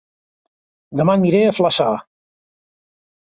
Dema aniré a Flaçà